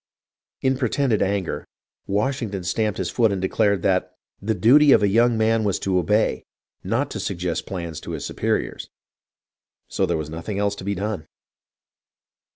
In pretended anger, Washington stamped his foot and declared that " the duty of the young man was to obey, not to suggest plans to his superiors," so there was nothing else to be done.